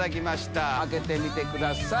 開けてみてください。